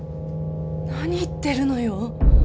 何言ってるのよ。